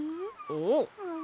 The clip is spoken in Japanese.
おっ！